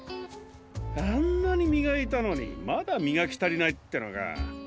あんなにみがいたのにまだみがきたりないってのか。